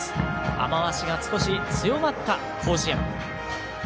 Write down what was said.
雨脚が少し強まった甲子園。